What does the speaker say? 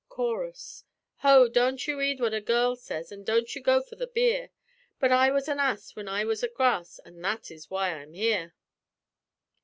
Chorus "Ho! don't you 'eed what a girl says, An' don't go for the beer; But I was an ass when I was at grass, An' that is why I'm 'ere."